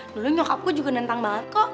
dulu nyokap gue juga nentang banget kok